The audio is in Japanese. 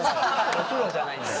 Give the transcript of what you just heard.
お風呂じゃないんだよ。